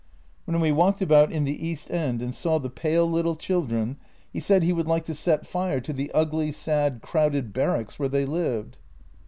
When we walked about it the east end and saw the pale little children, he said he would like to set fire to the ugly, sad, crowded barracks where they lived."